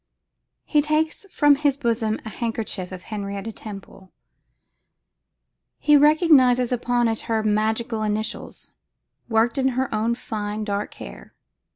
He takes from his bosom the handkerchief of Henrietta Temple. He recognises upon it her magical initials, worked in her own fine dark hair.